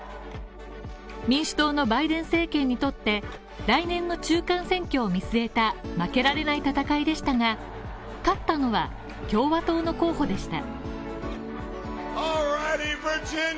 民主党のバイデン政権にとって、来年の中間選挙を見据えた負けられない戦いでしたが、勝ったのは、共和党の候補でした。